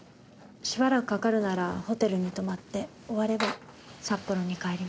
しばらくかかるならホテルに泊まって終われば札幌に帰ります。